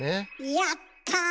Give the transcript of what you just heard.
やった！